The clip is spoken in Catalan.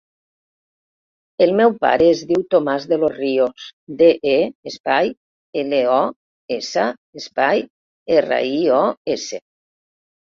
El meu pare es diu Tomàs De Los Rios: de, e, espai, ela, o, essa, espai, erra, i, o, essa.